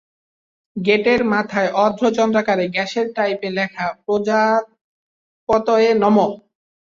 গেটের মাথায় অর্ধচন্দ্রাকারে গ্যাসের টাইপে লেখা প্রজাপতয়ে নমঃ।